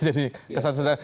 jadi kesan sederhana